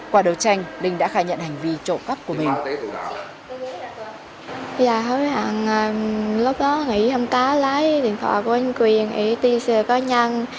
qua đấu tranh linh đã khai nhận hành vi trộm cắp của mình